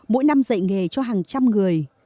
mỗi năm dạy nghề cho hàng trăm người